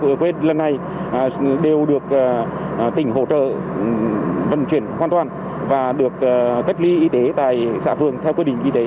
được đưa về quê lạc lần này đều được tỉnh hỗ trợ vận chuyển hoàn toàn và được cách ly y tế tại xã phường theo quy định y tế